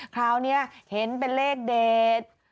คราวนี้เห็นเป็นเลขเด็ด